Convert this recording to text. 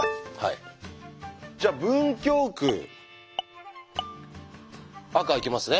じゃあ文京区赤いけますね。